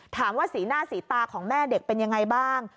สีหน้าสีตาของแม่เด็กเป็นยังไงบ้าง